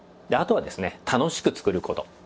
であとはですね楽しく作る事。